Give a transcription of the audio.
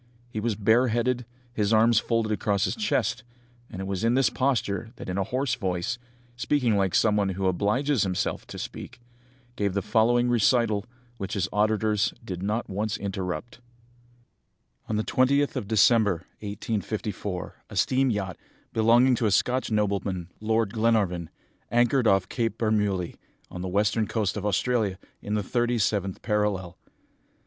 He was bareheaded, his arms folded across his chest, and it was in this posture that in a hoarse voice, speaking like some one who obliges himself to speak, he gave the following recital, which his auditors did not once interrupt "On the 20th of December, 1854, a steam yacht, belonging to a Scotch nobleman, Lord Glenarvan, anchored off Cape Bermouilli, on the western coast of Australia, in the thirty seventh parallel.